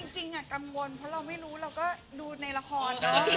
จริงกังวลเพราะเราไม่รู้เราก็ดูในละคร